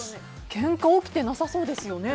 けんか起きてなさそうですよね。